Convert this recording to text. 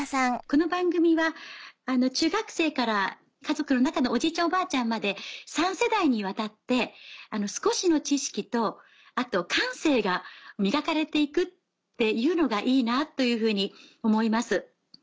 この番組は中学生から家族の中のおじいちゃんおばあちゃんまで３世代にわたって少しの知識とあと感性が磨かれて行くっていうのがいいなというふうに思います。